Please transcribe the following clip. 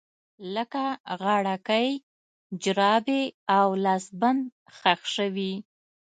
لکه غاړکۍ، جرابې او لاسبند ښخ شوي